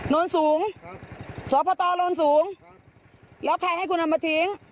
โรงสูงสวทพตรโรงสูงแล้วใครให้คุณเอามาถึง